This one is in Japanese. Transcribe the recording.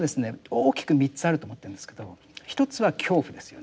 大きく３つあると思ってるんですけど一つは恐怖ですよね。